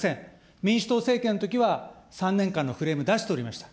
民主党政権のときは、３年間のフレーム、出しておりました。